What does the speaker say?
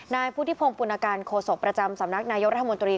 นายพุทธิพงศ์ปุณการโฆษกประจำสำนักนายกรัฐมนตรี